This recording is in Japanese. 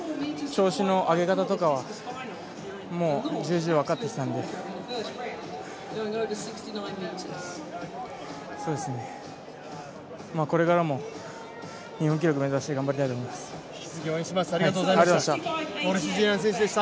調子の上げ方とかはもうじゅうじゅう分かってきたんでこれからも、日本記録目指して頑張りたいと思います。